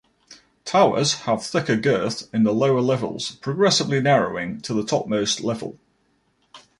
Towers have thicker girth in the lower levels, progressively narrowing to the topmost level.